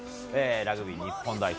ラグビー日本代表